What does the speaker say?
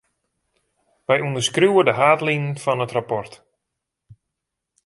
Wy ûnderskriuwe de haadlinen fan it rapport.